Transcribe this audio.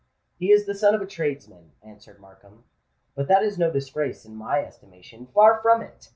"He is the son of a tradesman," answered Markham. "But that is no disgrace in my estimation: far from it!